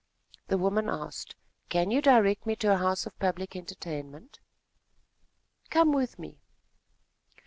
The woman asked: "Can you direct me to a house of public entertainment?" "Come with me."